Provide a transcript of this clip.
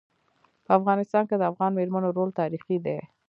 په افغانستان کي د افغان میرمنو رول تاریخي دی.